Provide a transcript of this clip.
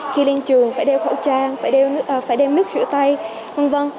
khi lên trường phải đeo khẩu trang phải đem nước rửa tay v v